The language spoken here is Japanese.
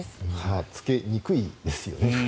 つけにくいですよね。